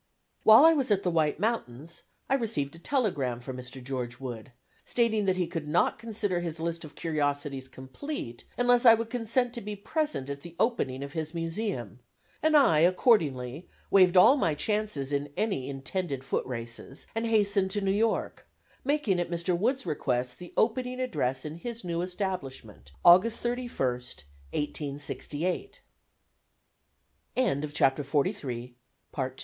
While I was at the White Mountains, I received a telegram from Mr. George Wood, stating that he could not consider his list of curiosities complete unless I would consent to be present at the opening of his Museum, and I accordingly waived all my chances in any intended foot races, and hastened to New York, making at Mr. Wood's request the opening address in his new establishment, August 31, 1868. CHAPTER XLIV. CURIOUS COINCIDENCES. NUMBER